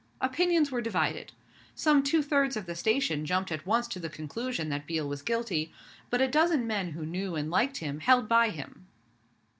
Opinions were divided. Some two thirds of the station jumped at once to the conclusion that Biel was guilty; but a dozen men who knew and liked him held by him.